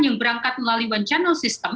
yang berangkat melalui one channel system